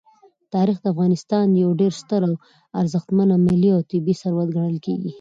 تاریخ د افغانستان یو ډېر ستر او ارزښتمن ملي او طبعي ثروت ګڼل کېږي.